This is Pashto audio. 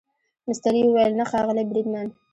مستري وویل نه ښاغلی بریدمن.